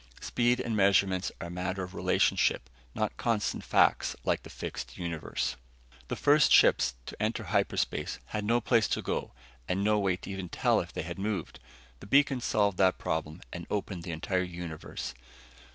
Speed and measurements are a matter of relationship, not constant facts like the fixed universe. The first ships to enter hyperspace had no place to go and no way to even tell if they had moved. The beacons solved that problem and opened the entire universe.